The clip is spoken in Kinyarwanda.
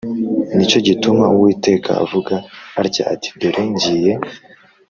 Ni cyo gituma Uwiteka avuga atya ati Dore ngiye